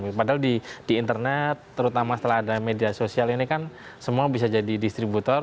padahal di internet terutama setelah ada media sosial ini kan semua bisa jadi distributor